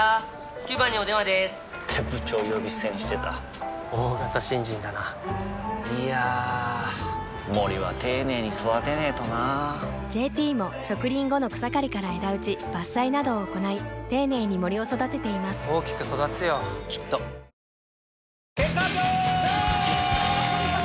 ９番にお電話でーす！って部長呼び捨てにしてた大型新人だないやー森は丁寧に育てないとな「ＪＴ」も植林後の草刈りから枝打ち伐採などを行い丁寧に森を育てています大きく育つよきっとうわ！